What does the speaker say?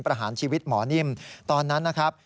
ประหารชีวิตหมอนิ่มตอนนั้นนะครับ